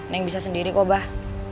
neng bisa sendiri kok abah